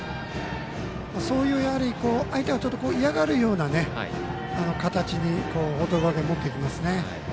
そういう相手が嫌がるような形に報徳学園、持っていきますね。